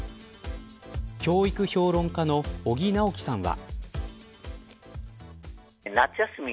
教育評論家の尾木直樹さんは。